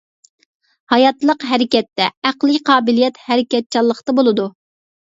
ھاياتلىق ھەرىكەتتە، ئەقلىي قابىلىيەت ھەرىكەتچانلىقتا بولىدۇ.